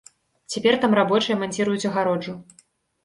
Цяпер там рабочыя манціруюць агароджу.